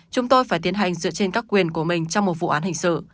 chúng tôi phải tiến hành dựa trên các quyền của mình trong một vụ án hình sự